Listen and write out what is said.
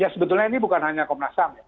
ya sebetulnya ini bukan hanya komnas ham